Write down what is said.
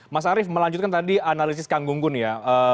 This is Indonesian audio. mas arief melanjutkan tadi analisis kang gunggun ya